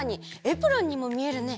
エプロンにもみえるね。